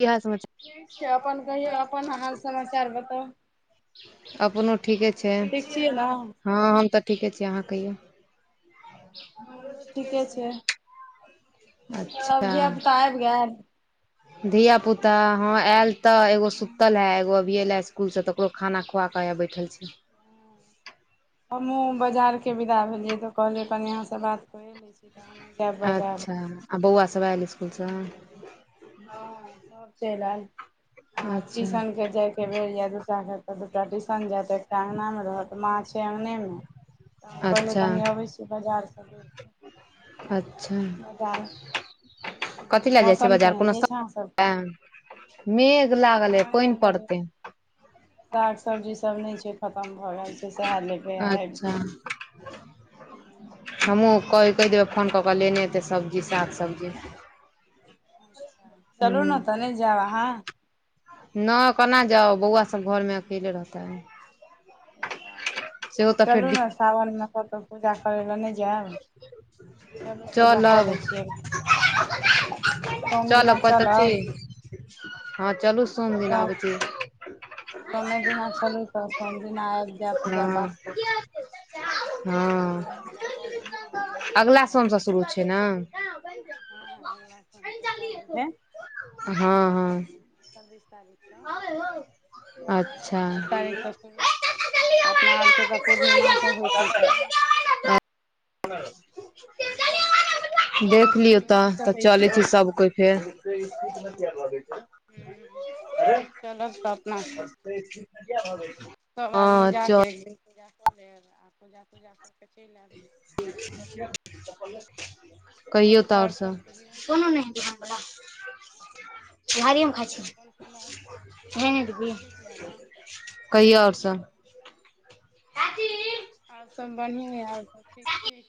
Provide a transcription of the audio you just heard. इयहे समाचार ठीक छैय अपन कहियौ अपन हाल समाचार बताउ? अपनो ठीके छैय ठीक छियै ने ह हम तऽ ठीके छियै अहाँ कहियौ। [unintelligible] हमरो ठीके छैय। तब धिय पुता आबि गेल? अच्छा धिया पुता हँ आयल तऽ एगो सुतल है एगो अभिय एले स्कुल से तऽ ओकरो खाना खुआकेऽ आ बैठल छी। हँ हमहहुँ बाजारके विदा भेलियै तऽ कहलियै कनि अहाँसँ बात [unintelligible] अच्छा आ बौआ सब आयल स्कुलसँ हँ सब चलि आयल आब अच्छा टीसन भेज के बेर यय दूटा के दूटा टिसन जायत एकटा अँंगना मे रहत माछ अंगनेमे तऽ हम कहलहु अच्छा कनि अबै छी बजारसँ दूर अच्छा बाजार कथी लए जाइ छी मौसम बाजार केहन कोनो अछि अहाँ सभके [unintelligible] मेघ लागल हे हँ पानि इएह लेबै पड़तै। साग सब्जीसभ नहि छैय खतम भऽ गेल छै सएह लेबै आबि। अच्छा हमहूँ क कहि देबै फोन कऽ कऽ लेने अयतै सब्जी साग सब्जी। चलू हूँ ने तऽ नहि जायब अहाँ? नहि केना जाउ बौआ सब घरमे अकेले रहतै। अच्छा तऽ चलू ने सावनमे कतहु पूजा करय लेलए नहि जायब। चलू पूजा कऽ चलब लै छियै [unintelligible] सोम चलब दिना कतहु छी चलब हँ चलू सोम दिन आबै छी। सोमे दिना चलू तऽ सोम दिना आबि जाय पूजा हँ पाठ कऽ के। पूजा हँ तूजा कऽ लेब सोम दिना अगलाा चलि आयब सोमसँ शुरू छैय ने। [unintelligible] हँ हँ छब्बीस तारख स अच्छा छब्बीस तारीख स अपना आरके तऽ पूर्णिमाास सब होइ छैय किना। अपना आरके देख लियौ पूर्णिमा तऽ स तऽ होइ छै चलै छी सभ कोइ फेर। [unintelligible] हू चलब तऽ अपना सब सभ आदमी हँ जा चल कऽ अ पूजा कऽ लेब आ पूजा तूजा कऽ के चलि आयब। कहियौ त आओर सब। [unintelligible] ठीके छैय अपन सुनाउ अँहां ठीक यऽ ने? कहियौ आओर सभ। आर सब बढ़िएं है आर सब ठीक छी।